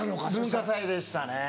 文化祭でしたね。